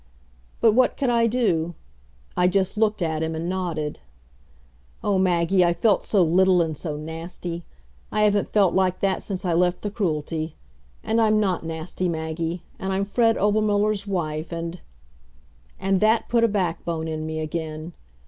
But what could I do? I just looked at him and nodded. Oh, Maggie, I felt so little and so nasty! I haven't felt like that since I left the Cruelty. And I'm not nasty, Maggie, and I'm Fred Obermuller's wife, and And that put a backbone in me again.